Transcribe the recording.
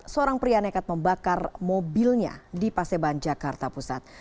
seorang pria nekat membakar mobilnya di paseban jakarta pusat